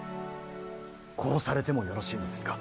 殺されてもよろしいのですか。